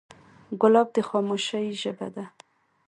ګلاب د خاموشۍ ژبه ده.